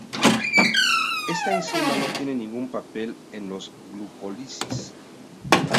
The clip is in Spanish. Esta enzima no tiene ningún papel en la glucólisis.